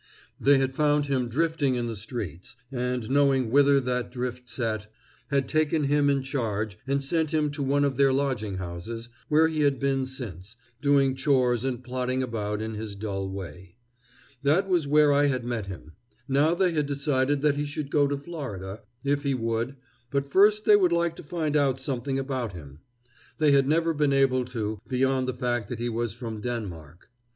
They had found him drifting in the streets, and, knowing whither that drift set, had taken him in charge and sent him to one of their lodging houses, where he had been since, doing chores and plodding about in his dull way. That was where I had met him. Now they had decided that he should go to Florida, if he would, but first they would like to find out something about him. They had never been able to, beyond the fact that he was from Denmark.